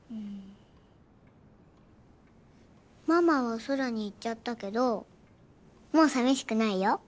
ママはお空に行っちゃったけどもう寂しくないよ。